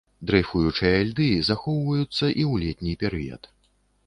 Дрэйфуючыя льды захоўваюцца і ў летні перыяд.